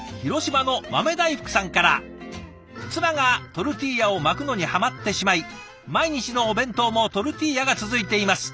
「妻がトルティーヤを巻くのにハマってしまい毎日のお弁当もトルティーヤが続いています。